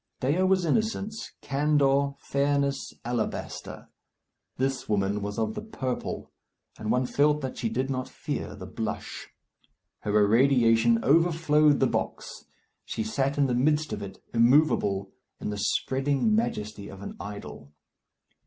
Dea was innocence, candour, fairness, alabaster this woman was of the purple, and one felt that she did not fear the blush. Her irradiation overflowed the box, she sat in the midst of it, immovable, in the spreading majesty of an idol.